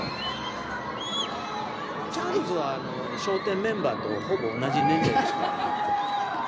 チャールズは笑点メンバーとほぼ同じ年齢ですから。